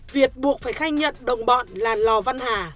việt buộc phải khai nhận đồng bọn là lò văn hà